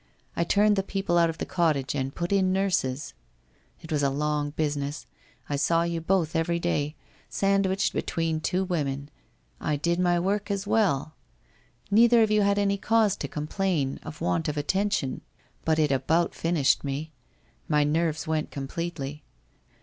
I turned the people out of the cottage and put in nurses. ... It was a long business. I saw you both every day, sandwiched you two women — and did my work as well. Neither of you had any cause to complain of want of attention, but it about finished me. My nerves went completely.